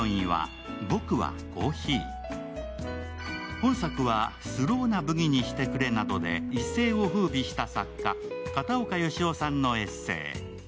本作は「スローなブギにしてくれ」などで一世をふうびした作家片岡義男さんのエッセイ。